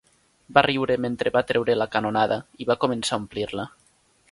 Va riure mentre va treure la canonada i va començar a omplir-la.